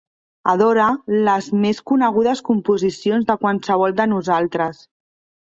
Adore les més conegudes composicions de qualsevol de nosaltres.